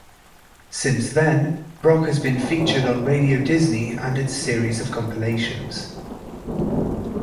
Since then, Brock has been featured on Radio Disney and its series of compilations.